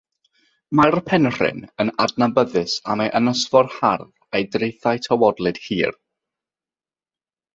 Mae'r penrhyn yn adnabyddus am ei ynysfor hardd a'i draethau tywodlyd hir.